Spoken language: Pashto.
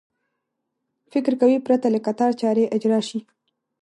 فکر کوي پرته له کتار چارې اجرا شي.